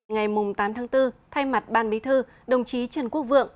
ngày tám tháng bốn thay mặt ban bí thư đồng chí trần quốc vượng